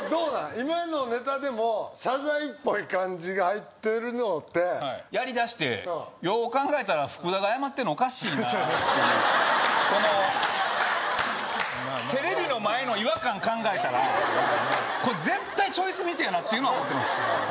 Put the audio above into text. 今のネタでも謝罪っぽい感じが入ってるのってやりだしてよう考えたらテレビの前の違和感考えたらこれ絶対チョイスミスやなっていうのは思ってます